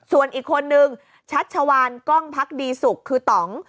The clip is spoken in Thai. ส่วนอีกคนนึงชัชวานกล้องพักดีสุขคือต่อง